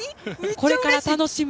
これから楽しみ。